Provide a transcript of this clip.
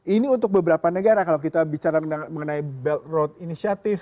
ini untuk beberapa negara kalau kita bicara mengenai belt road initiative